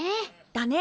だね！